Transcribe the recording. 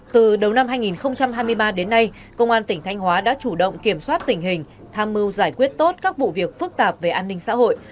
từ đầu năm hai nghìn hai mươi ba đến nay công an tỉnh thanh hóa đã chủ động kiểm soát tình hình tham mưu giải quyết tốt các vụ việc phức tạp về an ninh xã hội